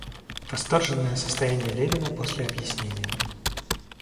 Восторженное состояние Левина после объяснения.